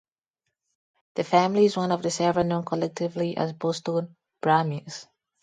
The family is one of several known collectively as Boston Brahmins.